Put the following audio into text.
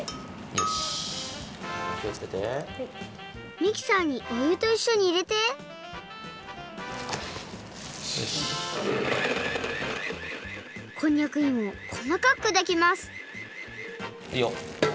ミキサーにおゆといっしょにいれてこんにゃくいもをこまかくくだきますいいよ。